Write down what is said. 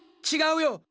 違うよ！